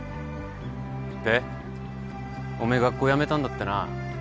でおめえ学校やめたんだってな。